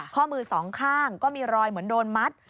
ข้อมือสองข้างก็มีรอยเหมือนโดนมัด